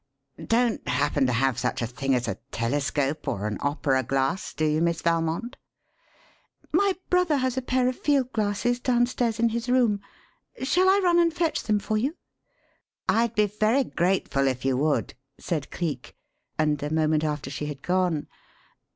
"Don't happen to have such a thing as a telescope or an opera glass, do you, Miss Valmond?" "My brother has a pair of field glasses downstairs in his room. Shall I run and fetch them for you?" "I'd be very grateful if you would," said Cleek; and a moment after she had gone.